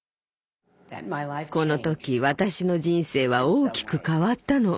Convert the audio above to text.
この時私の人生は大きく変わったの。